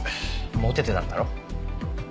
モテてたんだろ？